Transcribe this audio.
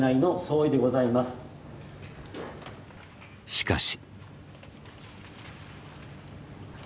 しかし。